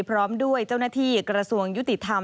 พร้อมด้วยเจ้าหน้าที่กระทรวงยุติธรรม